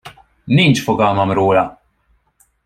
Nincs fogalmam róla!